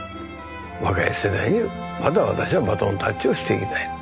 若い世代にまた私はバトンタッチをしていきたい。